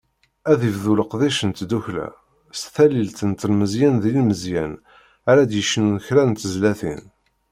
Ad ibdu leqdic n tddukkla, s talilt n telmeẓyin d yilmeẓyen ara d-yecnun kra n tezlatin.